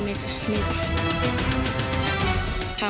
มีความรู้สึกว่า